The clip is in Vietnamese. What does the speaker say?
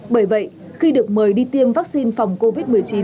bởi vậy khi được mời đi tiêm vaccine phòng covid một mươi chín